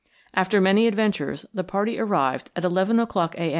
After many adventures the party arrived at 11 o'clock, A.